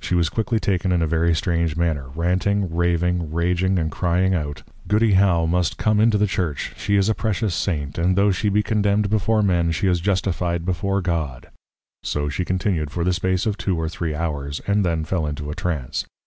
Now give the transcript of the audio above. _ She was quickly taken in a very strange manner, Ranting, Raving, Raging and crying out, _Goody +How+ must come into the Church; she is a precious Saint; and tho' she be condemned before Men, she is Justify'd before God._ So she continued for the space of two or three Hours; and then fell into a Trance.